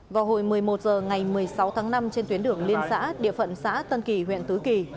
vào hồi một mươi một h ngày một mươi sáu tháng năm trên tuyến đường liên xã địa phận xã tân kỳ huyện tứ kỳ